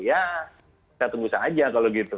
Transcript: ya kita tunggu saja kalau gitu